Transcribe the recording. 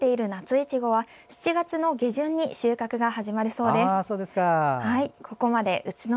いちごは７月の下旬に収穫が始まるそうです。